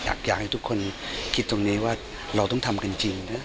อยากให้ทุกคนคิดตรงนี้ว่าเราต้องทำกันจริงนะ